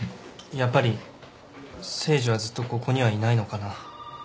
やっぱり誠治はずっとここにはいないのかな。